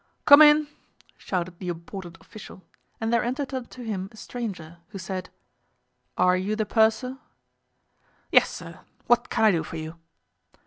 "Come in!" shouted the important official, and there entered unto him a stranger, who said—"Are you the purser?" "Yes, sir. What can I do for you?"